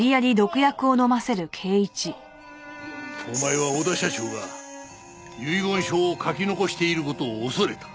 お前は小田社長が遺言書を書き残している事を恐れた。